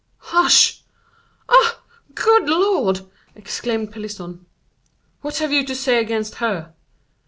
"Hush!" "Ah! Good Lord!" exclaimed Pelisson. "What have you to say against her?"